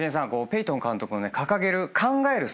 ペイトン監督の掲げる考える